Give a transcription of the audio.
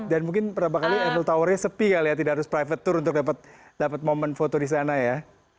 dan mungkin pertama kali eiffel towernya sepi kali ya tidak harus private tour untuk dapat moment foto di sana ya